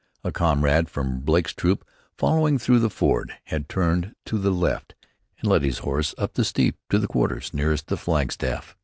A comrade from Blake's troop, following through the ford, had turned to the left and led his horse up the steep to the quarters nearest the flagstaff.